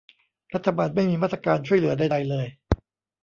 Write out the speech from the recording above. รัฐบาลไม่มีมาตรการช่วยเหลือใดใดเลย